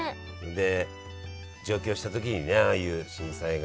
で上京した時にねああいう震災があって。